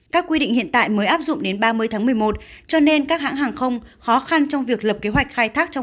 các quy định hiện tại mới áp dụng đến ba mươi tháng một mươi một cho nên các hãng hàng không khó khăn trong việc lập kế hoạch khai thác